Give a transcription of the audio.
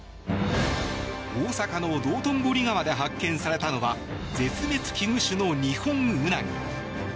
大阪の道頓堀川で発見されたのは絶滅危惧種のニホンウナギ。